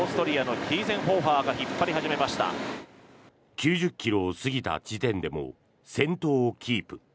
９０ｋｍを過ぎた地点でも先頭をキープ。